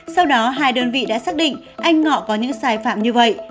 sau đó hai đơn vị đã xác định anh ngọ có những sai phạm như vậy